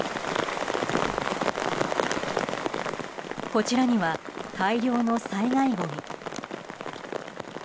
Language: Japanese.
こちらには大量の災害ごみ。